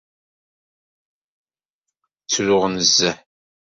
Ttruɣ nezzeh.